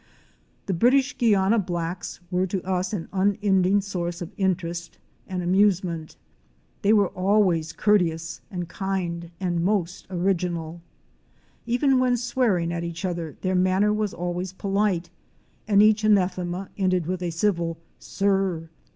The British Guiana blacks were to us an unending source of interest and amusement. They were always courteous and kindly and most original. Even when swearing at each other their manner was always polite and each anathema ended with a civil "Suh!"